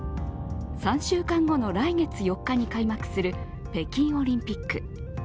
３週間後の来月４日に開幕する北京オリンピック。